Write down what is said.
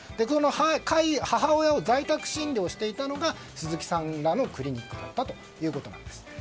その母親を在宅診療していたのが鈴木さんらのクリニックだったというわけなんです。